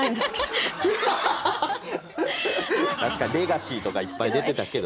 確かにレガシーとかいっぱい出てたけど。